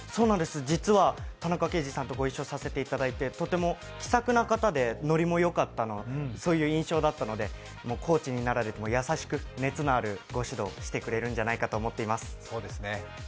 実は田中刑事さんとご一緒させていただいてとても気さくな方でノリもよかったという印象なのでコーチになられても優しく熱のある御指導してくれるんじゃないかなと思います。